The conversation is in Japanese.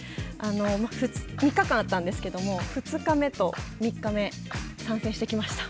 ３日間あったんですけれども、２日目と３日目、参戦してきました。